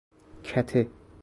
کته